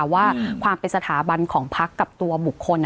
ว่าความเป็นสถาบันของพักกับตัวบุคคล